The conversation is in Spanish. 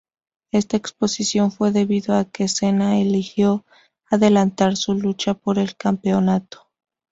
Esta excepción fue debido a que Cena eligió adelantar su lucha por el campeonato.